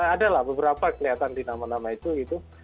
ada lah beberapa kelihatan di nama nama itu gitu